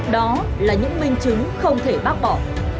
đó là những minh chứng không thể bác bỏ